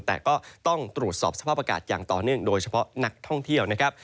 แต่ก็ต้องตรวจสอบสภาพอากาศอย่างต่อเนื่องโดยเฉพาะนักท่องเที่ยวนะครับ